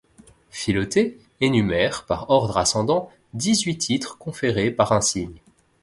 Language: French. Philothée énumère, par ordre ascendant, dix-huit titres conférés par insignes.